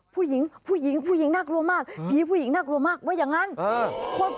ผู้หญิงผู้หญิงผู้หญิงน่ากลัวมากผีผู้หญิงน่ากลัวมากว่าอย่างนั้น